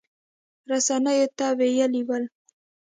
رسنیو ته ویلي ول